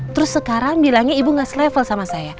terus sekarang bilangnya ibu gak selevel sama saya